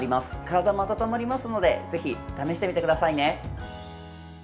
体も温まりますのでぜひ試してみてくださいね。